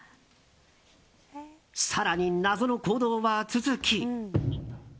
更に謎の行動は続き。